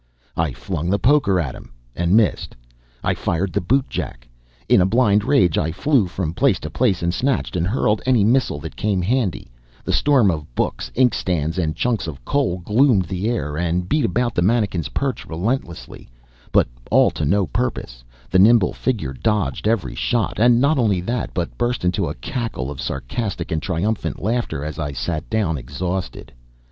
I flung the poker at him, and missed. I fired the bootjack. In a blind rage I flew from place to place, and snatched and hurled any missile that came handy; the storm of books, inkstands, and chunks of coal gloomed the air and beat about the manikin's perch relentlessly, but all to no purpose; the nimble figure dodged every shot; and not only that, but burst into a cackle of sarcastic and triumphant laughter as I sat down exhausted.